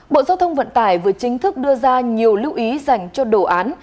bộ giao thông vận tải vừa chính thức đưa ra nhiều lưu ý dành cho đồ án